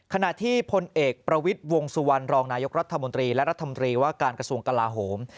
ขณะที่พลเอกประวิทย์วงสุวรรณรองนายกรัฐมนตรีและรัฐมนตรีว่าการกระทรวงกลาโหม